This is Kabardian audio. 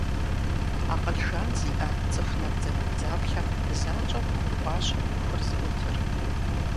Акъыл жан зиӀэ цӀыху набдзэгубдзаплъэм занщӀэу къыгурыӀуащ Ӏуэхур зыӀутыр.